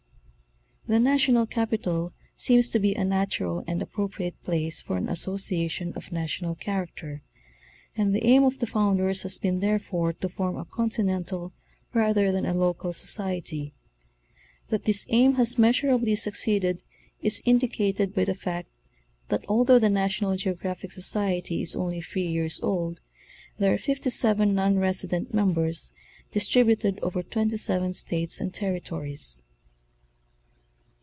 The National Capital seems to be a natural and appropriate place for an association of national character, and the aim of the founders has been therefore to form a continental rather than a local Society. That this aim has measurably succeeded is indi cated by the fact that although the Narionan GrOGRAPHIC Soctery is only three years old there are 57 non resident members, distributed over 27 states and territories.